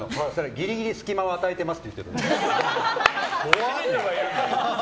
ギリギリ隙間を与えてますって言ったの。